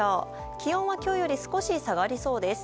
気温は今日より少し下がりそうです。